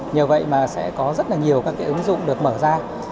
nhờ vậy mà sẽ có rất là nhiều các cái ứng dụng được mở ra